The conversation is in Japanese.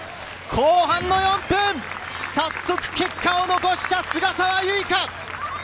後半４分、早速結果を残した菅澤優衣香！